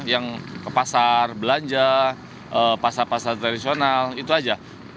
yang ke pasar belanja pasar pasar tradisional itu aja